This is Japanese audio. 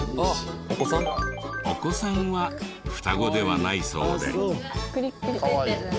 お子さんは双子ではないそうで。